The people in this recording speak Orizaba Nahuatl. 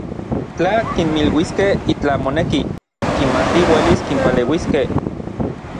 Tla kinmiluiskej itlaj moneki, kimatij uelis kinpaleuiskej.